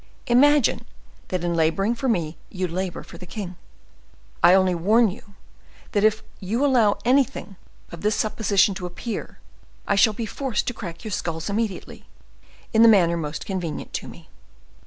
Imagine that in laboring for me you labor for the king. I only warn you that if you allow anything of this supposition to appear, I shall be forced to crack your skulls immediately, in the manner most convenient to me.